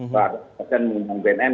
pesen mengumumkan bnm